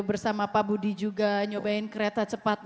bersama pak budi juga nyobain kereta cepat